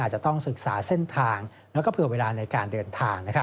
จะต้องศึกษาเส้นทางแล้วก็เผื่อเวลาในการเดินทาง